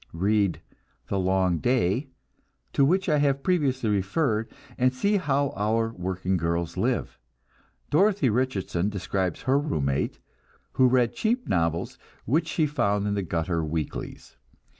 Read "The Long Day," to which I have previously referred, and see how our working girls live. Dorothy Richardson describes her room mate, who read cheap novels which she found in the gutter weeklies.